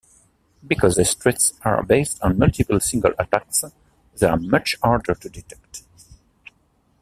Because these threats are based on multiple single-attacks, they are much harder to detect.